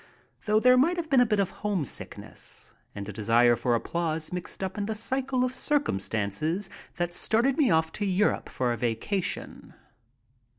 Though there might have been a bit of home sickness and a desire for applause mixed up in the cycle of circumstances that started me off to Europe for a vacation.